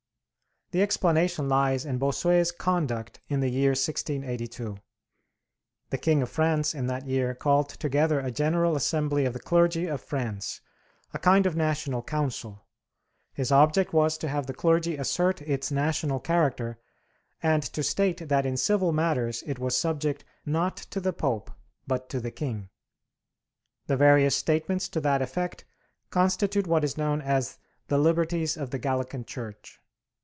The explanation lies in Bossuet's conduct in the year 1682. The King of France in that year called together a General Assembly of the clergy of France, a kind of National Council. His object was to have the clergy assert its national character, and to state that in civil matters it was subject not to the Pope, but to the King. The various statements to that effect constitute what is known as 'The Liberties of the Gallican Church.'